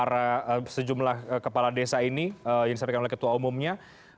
para sejumlah kepala desa ini yang disampaikan oleh ketua umumnya